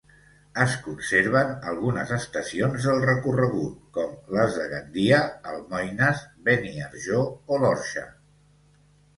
Es conserven algunes estacions del recorregut, com les de Gandia, Almoines, Beniarjó o l'Orxa.